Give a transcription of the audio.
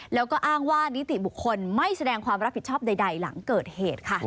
แล้วก็อ้างว่านิติบุคคลไม่แสดงความรับผิดชอบใดหลังเกิดเหตุค่ะ